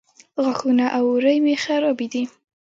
غاښونه او اورۍ مې خرابې دي